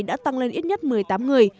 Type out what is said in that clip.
đã tăng lên ít nhất một mươi tám người